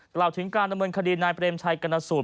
กล่าวถึงการดำเนินคดีนายเปรมชัยกรณสูตร